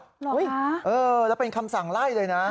เหรอเออแล้วเป็นคำสั่งไล่เลยนะ